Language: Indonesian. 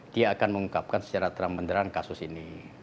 dia akan mengungkapkan secara terang beneran kasus ini